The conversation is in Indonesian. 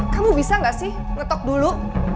kamu bisa nggak sih ngetok dulu